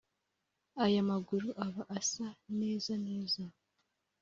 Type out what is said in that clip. Aya maguru aba asa neza neza